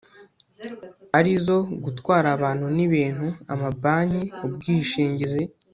arizo gutwara abantu n ibintu amabanki ubwishingizi